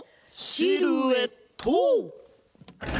シルエット！